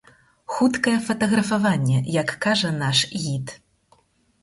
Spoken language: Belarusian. Хуткае фатаграфаванне, як кажа наш гід.